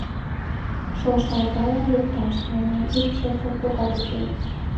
Шошо агалан лекташ, мемнан ик чесле плугат уке.